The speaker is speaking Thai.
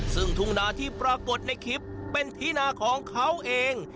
ซึ่งทุ่งนาที่ปรากฏในคลิปเป็นที่นาของเขาเอง